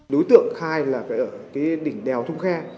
đối tượng khai là ở đỉnh đèo thông khe